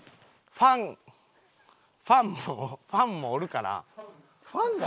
ファンファンもファンもおるから。